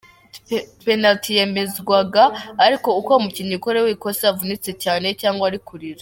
Penaliti yemezwaga ari uko umukinnyi ukorewe ikosa avunitse cyane, cyangwa ari kurira.